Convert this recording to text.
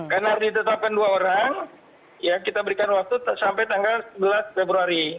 karena harus ditetapkan dua orang ya kita berikan waktu sampai tanggal sebelas februari